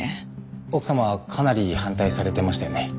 奥様はかなり反対されてましたよね。